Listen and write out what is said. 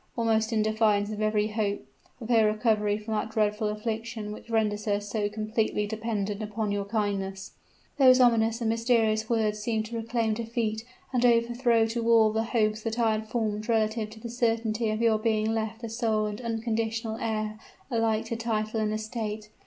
almost in defiance of every hope! of her recovery from that dreadful affliction which renders her so completely dependent upon your kindness.' These ominous and mysterious words seemed to proclaim defeat and overthrow to all the hopes that I had formed relative to the certainty of your being left the sole and unconditional heir alike to title and estate.